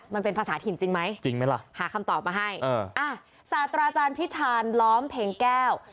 มันเป็นภาษาถิ่นจริงไหมจริงไหมล่ะหาคำตอบมาให้เอออ่ะศาสตราอาจารย์พิธานล้อมเพลงแก้ว